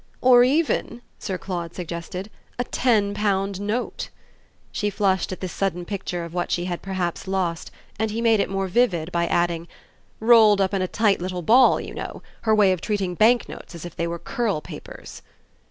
"Or even," Sir Claude suggested, "a ten pound note." She flushed at this sudden picture of what she perhaps had lost, and he made it more vivid by adding: "Rolled up in a tight little ball, you know her way of treating banknotes as if they were curl papers!"